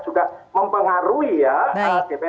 juga mempengaruhi ya